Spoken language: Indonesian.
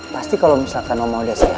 pasti kalo misalkan oma udah sehat